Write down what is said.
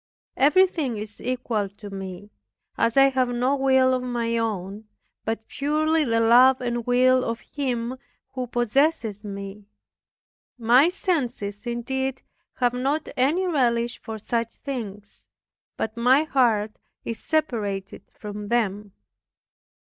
Everything is equal to me, as I have no will of my own, but purely the love and will of Him who possesses me. My senses indeed have not any relish for such things, but my heart is separated from them.